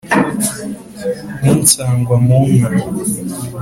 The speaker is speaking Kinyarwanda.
ninsangwa mu nka